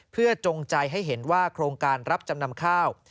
เพื่อจงใจให้เห็นว่าโครงการรับจำนำข้าว